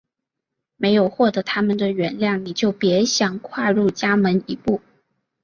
没有获得它们的原谅你就别想跨入家门一步！